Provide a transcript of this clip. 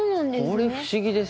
これ不思議ですよね。